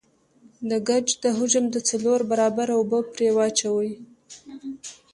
د ګچ د حجم د څلور برابره اوبه پرې واچوئ.